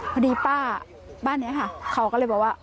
พอดีป้าบ้านนี้ค่ะเขาก็เลยบอกว่า